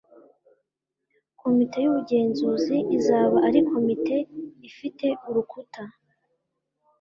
komite y ubugenzuzi izaba ari komite ifite urukuta